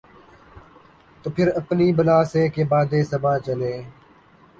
تو پھر اپنی بلا سے کہ باد صبا چلے۔